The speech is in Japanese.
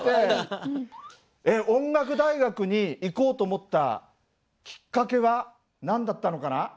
音楽大学に行こうと思ったきっかけは何だったのかな？